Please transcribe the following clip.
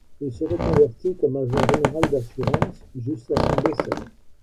Il se reconvertit comme agent général d'assurance jusqu'à son décès.